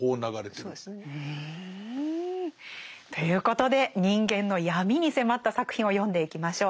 そうですね。ということで人間の闇に迫った作品を読んでいきましょう。